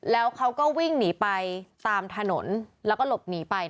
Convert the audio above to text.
และเขาก็วิ่งหนีไปตามถนนและรบหนีไปนะคะ